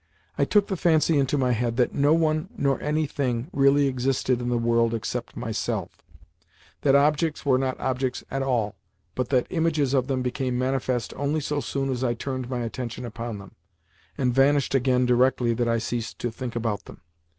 I took the fancy into my head that no one nor anything really existed in the world except myself—that objects were not objects at all, but that images of them became manifest only so soon as I turned my attention upon them, and vanished again directly that I ceased to think about them.